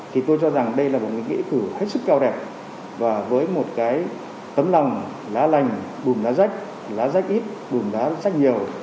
thì tôi cho rằng đây là một nghĩa cử hết sức cao đẹp và với một cái tấm lòng lá lành bùm lá rách lá rách ít bùm đá rách nhiều